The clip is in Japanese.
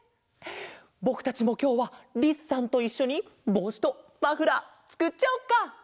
ぼくたちもきょうはリスさんといっしょにぼうしとマフラーつくっちゃおうか！